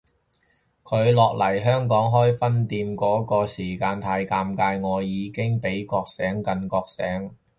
佢落嚟香港開分店嗰個時間太尷尬，我已經比覺醒更覺醒